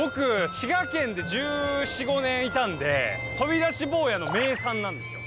滋賀県で１４１５年いたんで飛び出し坊やの名産なんですよ